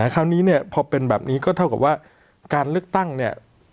คราวนี้เนี่ยพอเป็นแบบนี้ก็เท่ากับว่าการเลือกตั้งเนี่ย